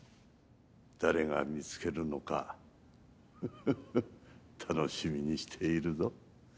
誰が見つけるのかフフフ楽しみにしているぞ。